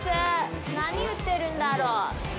何売ってるんだろう。